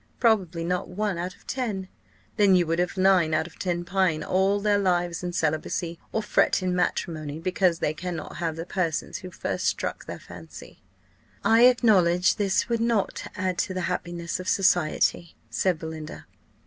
_ Probably not one out of ten. Then, would you have nine out of ten pine all their lives in celibacy, or fret in matrimony, because they cannot have the persons who first struck their fancy?" "I acknowledge this would not add to the happiness of society," said Belinda.